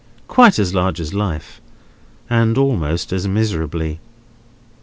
quite as large as life, and almost as miserably.